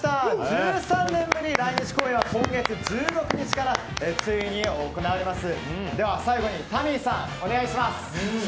１３年ぶり来日公演は今月１６日からついに行われます。